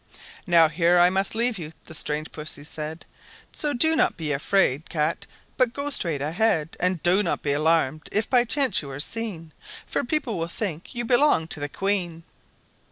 "Now here I must leave you," the strange Pussy said, "So don't be 'fraid cat, but go straight ahead, And don't be alarmed if by chance you are seen, For people will think you belong to the Queen."